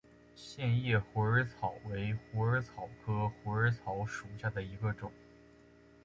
线叶虎耳草为虎耳草科虎耳草属下的一个种。